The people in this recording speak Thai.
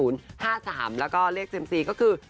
แล้วก็เลขเซ็มซีก็คือ